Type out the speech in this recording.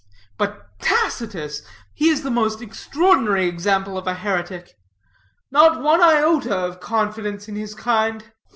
But Tacitus he is the most extraordinary example of a heretic; not one iota of confidence in his kind.